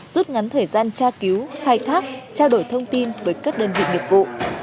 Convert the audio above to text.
rút ngắn thời gian tra cứu khai thác trao đổi thông tin với các đơn vị nghiệp vụ